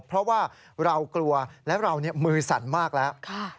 เพราะว่าเรากลัวและเรามือสั่นมากแล้ว